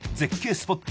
スポット